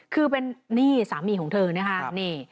คือเป็นนี่สามีของเธอนะคะนี่